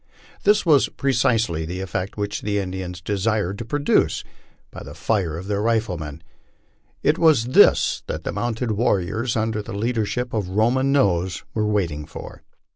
This was pre cisely the eftect which the Indians desired to produce by the fire of their rifle men. It was this that the mounted warriors, under the leadership of Roman Nose, were waiting for.